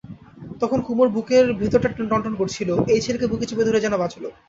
তখন কুমুর বুকের ভিতরটা টনটন করছিল– এই ছেলেকে বুকে চেপে ধরে যেন বাঁচল।